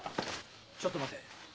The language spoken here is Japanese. ちょっと待て。